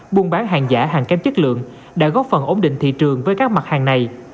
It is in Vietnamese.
buôn bán hàng giả hàng kém chất lượng đã góp phần ổn định thị trường với các mặt hàng này